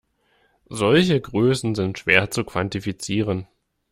Solche Größen sind schwer zu quantifizieren.